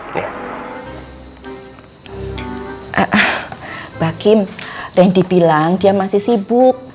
mbak kim ren dibilang dia masih sibuk